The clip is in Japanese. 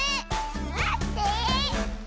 まって。